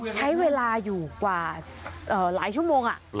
ใช้เวลาอยู่กว่าหลายชั่วโมง